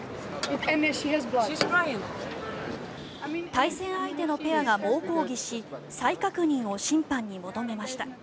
対戦相手のペアが猛抗議し再確認を審判に求めました。